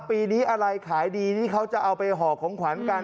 ปีนี้อะไรขายดีนี่เขาจะเอาไปห่อของขวัญกัน